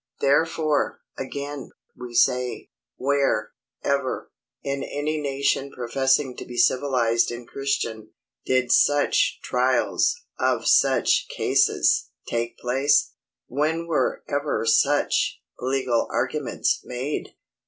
Therefore, again, we say, Where, ever, in any nation professing to be civilized and Christian, did such TRIALS, of such cases, take place? When were ever such legal arguments made?